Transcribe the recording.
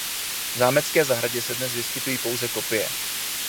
V zámecké zahradě se dnes vyskytují pouze kopie.